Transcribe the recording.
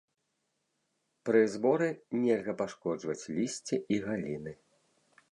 Пры зборы нельга пашкоджваць лісце і галіны.